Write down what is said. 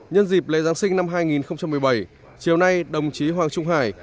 nhân dịp lễ giáng sinh năm hai nghìn một mươi bảy chiều nay đồng chí hoàng trung hải